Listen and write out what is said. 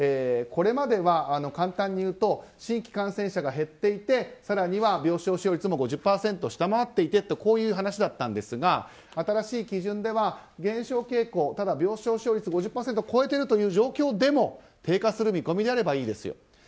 これまでは簡単に言うと新規感染者が減っていて更には病床使用率も５０％を下回っていてという話だったんですが新しい基準では減少傾向、病床使用率５０％を超えているという状況でも低下する見込みであればいいですよ。